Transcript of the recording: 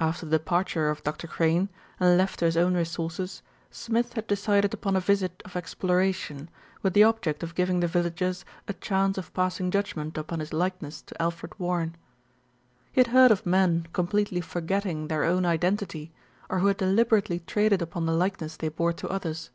After the departure of Dr. Crane, and left to his own resources, Smith had decided upon a visit of ex ploration, with the object of giving the villagers a chance of passing judgment upon his likeness to Alfred Warren. 70 LITTLE BILSTEAD RECEIVES A SHOCK 71 He had heard of men completely forgetting their own identity, or who had deliberately traded upon the likeness they bore to others.